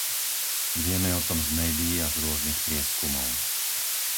Vieme o tom z médií a z rôznych prieskumov.